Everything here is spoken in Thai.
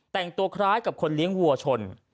แต่งตัวคล้ายกับคนเลี้ยงวัวชน